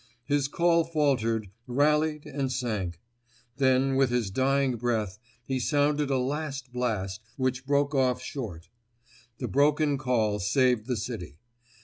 His call faltered, rallied and sank. Then, with his dying breath, he sounded a last blast, which broke off short. The broken call saved the city.